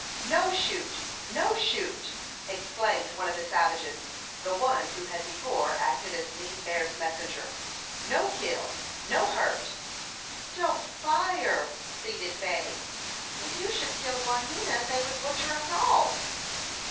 "No shoot! no shoot!" exclaimed one of the savages the one who had before acted as Lean Bear's messenger. "No kill, no hurt." "Don't fire," pleaded Fanny. "If you should kill Wahena, they would butcher us all."